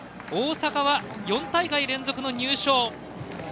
大阪は４大会連続の入賞。